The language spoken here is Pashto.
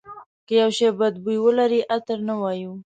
که یو شی بد بوی ولري عطر نه وایو.